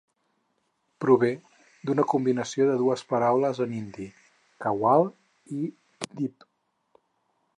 Prové d'una combinacio de dues paraules en hindi: "kanwal" i "deep".